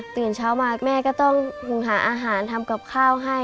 ตื่นเช้ามาแม่ก็ต้องหุงหาอาหารทำกับข้าวให้